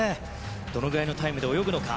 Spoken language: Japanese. どのぐらいのタイムで泳ぐのか。